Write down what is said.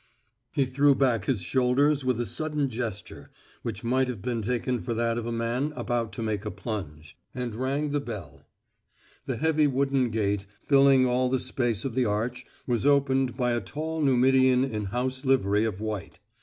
He threw back his shoulders with a sudden gesture, which might have been taken for that of a man about to make a plunge, and rang the bell. The heavy wooden gate, filling all the space of the arch, was opened by a tall Numidian in house livery of white.